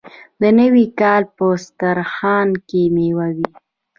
د نوي کال په دسترخان کې میوه وي.